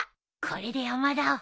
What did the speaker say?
これで山田を。